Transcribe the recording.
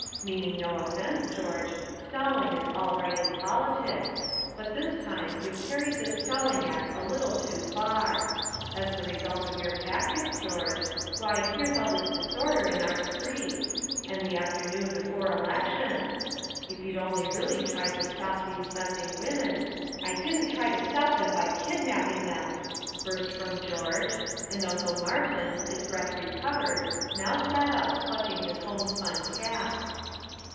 Meaning no offense, George, stalling is all right in politics but this time you've carried this stalling act a little too far. As the result of your tactics, George, why here's all this disorder in our streets and the afternoon before election. If you'd only really tried to stop these messing women " "I didn't try to stop them by kidnapping them!" burst from George and Uncle Martin, his breath recovered, now sat up, clutching his homespun cap.